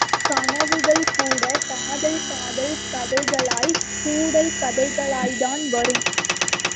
கனவுகள்கூடக் காதல் காதல் கதைகளாய், கூடல் கதைகளாய்த்தான் வரும்.